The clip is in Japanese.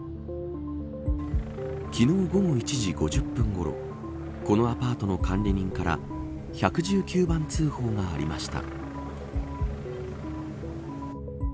昨日、午後１時５０分ごろこのアパートの管理人から１１９番通報がありました。